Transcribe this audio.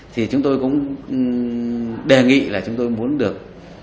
thì chúng tôi cũng đề nghị là chúng tôi muốn được